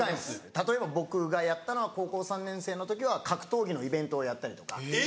例えば僕がやったのは高校３年生の時は格闘技のイベントをやったりとか。